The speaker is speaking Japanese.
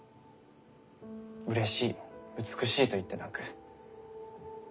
うれしい美しいと言って泣く。